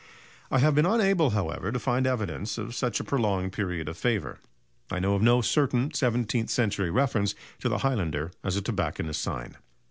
I have been unable, however, to find evidence of such a prolonged period of favour. I know of no certain seventeenth century reference to the highlander as a tobacconist's sign.